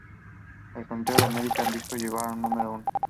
En el conteo American Discos llegó al número uno.